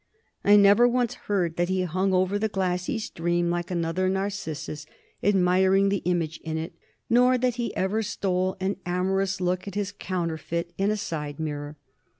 I never once heard that he hung over the glassy stream, like another Narcissus, admiring the image in it, nor that he ever stole an amorous look at his counterfeit in a side mirror.